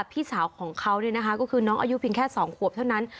พี่สาวของเขาก็คือน้องอายุเพียงแค่๒ขวบเท่านั้น